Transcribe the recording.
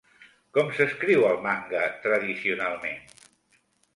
Com s'escriu el manga tradicionalment?